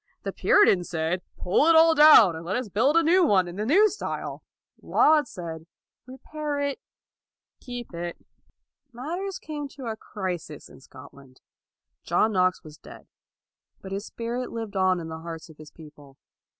The Puritans said, " Pull it all down, and let us build a new one in the new style.' 1 Laud said, " Repair it, keep it.' 1 Matters came to a crisis in Scotland. John Knox was dead, but his spirit lived in the hearts of his people.